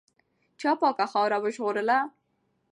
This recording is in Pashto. چا پاکه خاوره وژغورله؟